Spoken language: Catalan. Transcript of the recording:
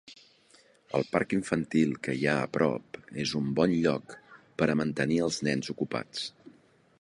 El parc infantil que hi ha a prop és un bon lloc per a mantenir als nens ocupats.